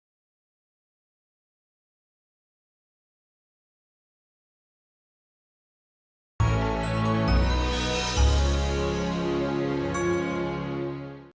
terima kasih sudah menonton jangan lupa like subscribe share dan subscribe ya